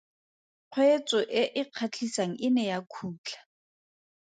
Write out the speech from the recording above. Kgweetso e e kgatlhisang e ne ya khutla.